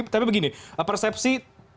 tapi begini persepsi